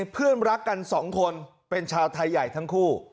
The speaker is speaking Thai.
เพื่อนรักกัน๒คนเป็นชาวไทยใหญ่ทั้งคู่